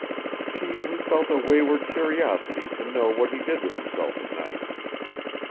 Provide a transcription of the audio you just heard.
She even felt a wayward curiosity to know what he did with himself at night.